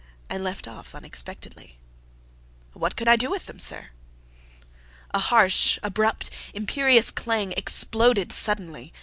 ," and left off unexpectedly. "What could I do with them, sir?" A harsh, abrupt, imperious clang exploded suddenly.